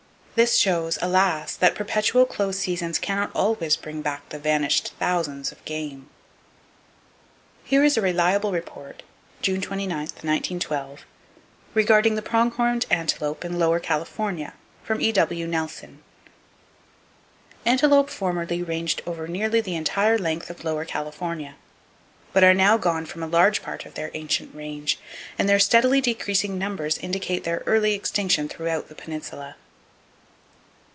This shows, alas! that perpetual close seasons can not always bring back the vanished thousands of game! PRONG HORNED ANTELOPE Here is a reliable report (June 29, 1912) regarding the prong horned antelope in Lower California, from E.W. Nelson: "Antelope formerly ranged over nearly the entire length of Lower California, but are now gone from a large part of their ancient range, and their steadily decreasing numbers indicate their early extinction throughout the peninsula."